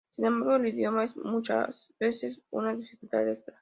Sin embargo el idioma es muchas veces una dificultad extra.